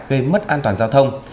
gây mất an toàn giao thông